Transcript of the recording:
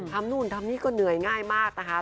นู่นทำนี่ก็เหนื่อยง่ายมากนะคะ